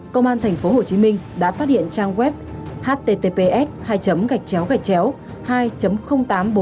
công an tp hcm đã phát hiện trang web https hai gạch chéo gạch chéo hai tám trăm bốn mươi nghìn một trăm một mươi một